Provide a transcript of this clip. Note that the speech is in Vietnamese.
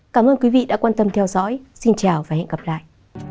cảm ơn quý vị đã quan tâm theo dõi xin chào và hẹn gặp lại